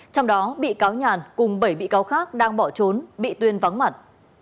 trong đó bị cáo nhàn cùng bảy bị cáo khác đang bỏ trốn bị tuyên vắng mặt